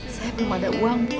saya belum ada uang